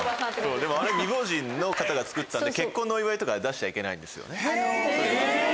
あれ未亡人の方が造ったんで結婚のお祝いとかで出しちゃいけないんですよね。